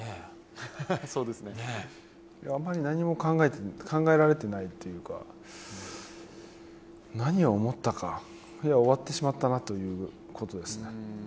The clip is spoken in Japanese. あまり何も考えられていないというか何を思ったか終わってしまったなということですね。